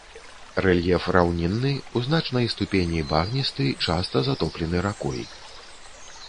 Рэльеф раўнінны, у значнай ступені багністы, часта затоплены ракой.